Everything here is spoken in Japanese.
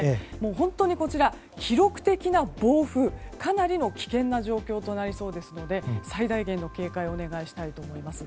本当に、記録的な暴風かなりの危険な状況となりそうですので最大限の警戒をお願いしたいと思います。